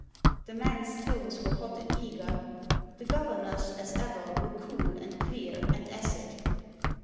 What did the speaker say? The man's tones were hot and eager. The gover nor's, as ever, were cool, and clear, and acid.